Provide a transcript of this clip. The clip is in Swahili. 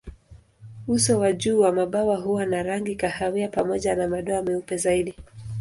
Uso wa juu wa mabawa huwa na rangi kahawia pamoja na madoa meupe zaidi.